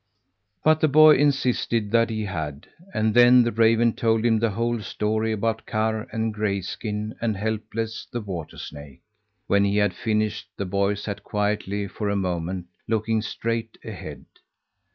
But the boy insisted that he had, and then the raven told him the whole story about Karr and Grayskin and Helpless, the water snake. When he had finished, the boy sat quietly for a moment, looking straight ahead.